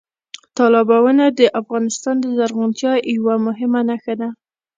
تالابونه د افغانستان د زرغونتیا یوه مهمه نښه ده.